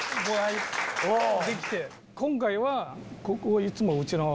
今回はここいつもうちの。